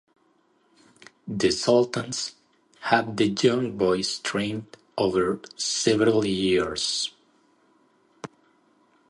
The Sultans had the young boys trained over several years.